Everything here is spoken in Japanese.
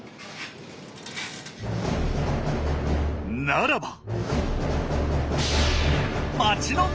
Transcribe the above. ならば！